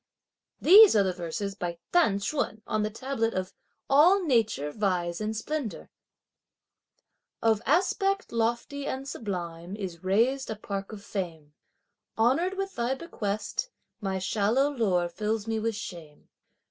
These are the verses by T'an Ch'un on the tablet of "All nature vies in splendour": Of aspect lofty and sublime is raised a park of fame! Honoured with thy bequest, my shallow lore fills me with shame.